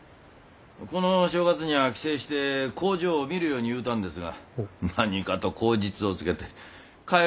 この正月にゃあ帰省して工場を見るように言うたんですが何かと口実をつけて帰ろうとせんのんです。